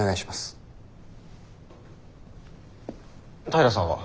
平さんは？